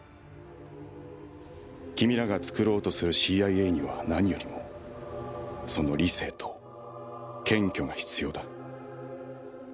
「君らが作ろうとするＣＩＡには何よりもその“理性”と“謙虚”が必要だ」